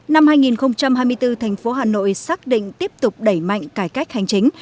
năm hai nghìn hai mươi bốn thành phố hà nội xác định tiếp tục đẩy mạnh cải cách hành chính